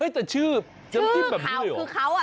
แต่ชื่อชื่อเขาคือเขาอ่ะ